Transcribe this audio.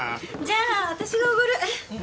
じゃあ私がおごる。